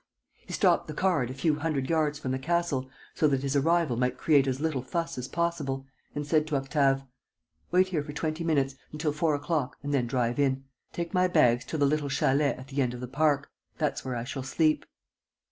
He stopped the car at a few hundred yards from the castle, so that his arrival might create as little fuss as possible, and said to Octave: "Wait here for twenty minutes, until four o'clock, and then drive in. Take my bags to the little chalet at the end of the park. That's where I shall sleep."